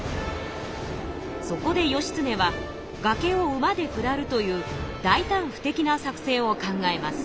そこで義経は崖を馬で下るという大たん不敵な作戦を考えます。